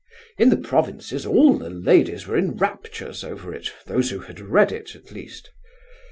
In the provinces all the ladies were in raptures over it, those who had read it, at least.